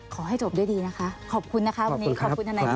ขอให้จบได้ดีนะคะขอบคุณค่ะครับขอบคุณท่านนายเจมส์